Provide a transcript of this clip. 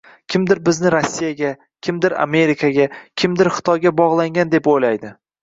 Kimdir bizni Rossiyaga, kimdir Amerikaga, kimdir Xitoyga bog'langan deb o'ylaydi